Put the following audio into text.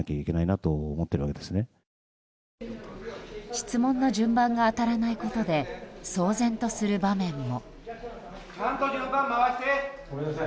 質問の順番が当たらないことで騒然とする場面も。